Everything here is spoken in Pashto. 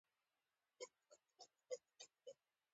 بهلول وویل: وروسته له دې چې ویده کېږې عینکې په سترګو کوه.